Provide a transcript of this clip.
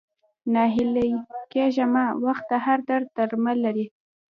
ناهيلی کيږه مه ، وخت د هر درد درمل لري